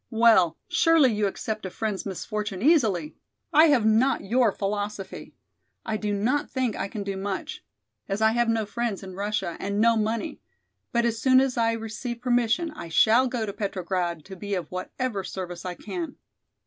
"Well, surely you accept a friend's misfortune easily! I have not your philosophy. I do not think I can do much, as I have no friends in Russia and no money, but as soon as I receive permission I shall go to Petrograd to be of whatever service I can."